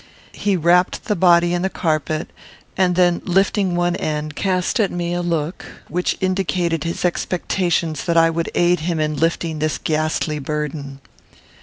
He wrapped the body in the carpet, and then, lifting one end, cast at me a look which indicated his expectations that I would aid him in lifting this ghastly burden.